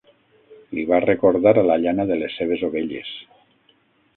Li va recordar a la llana de les seves ovelles...